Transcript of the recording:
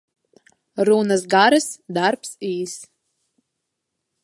Runas garas, darbs īss.